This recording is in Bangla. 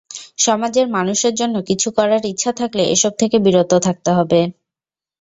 সমাজের মানুষের জন্য কিছু করার ইচ্ছা থাকলে এসব থেকে বিরত থাকতে হবে।